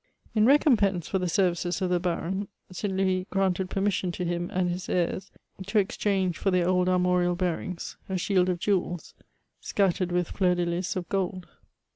In recompense for the services of the Baron, St. Lbuis granted permission to him and his h^s to exchange for their old armorial bearings, a shield of gules, scattered ^th fleura de lys of gold.